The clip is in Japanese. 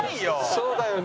そうだよね。